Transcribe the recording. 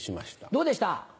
どうでした？